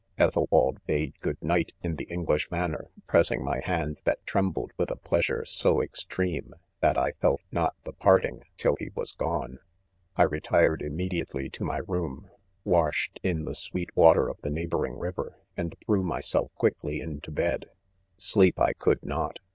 Ethelwald bade good night in the English manner, pressing my hand that trembled with a pleasure so extreme, that I felt not the parting till he was gone* .£ I retired, immediately ' to my room, washed in the sweet water of the neighboring river, and threw myself quickly into bed. Sleep I could not.